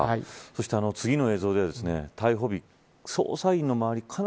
そして次の映像では逮捕日捜査員の周り